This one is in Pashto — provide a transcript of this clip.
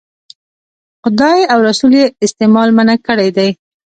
خدای او رسول یې استعمال منع کړی دی.